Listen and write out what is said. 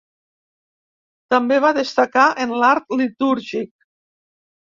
També va destacar en l'art litúrgic.